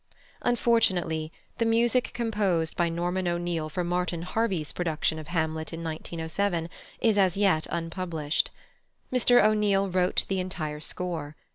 Unfortunately, the music composed by +Norman O'Neill+ for Martin Harvey's production of Hamlet in 1907 is as yet unpublished. Mr O'Neill wrote the entire score.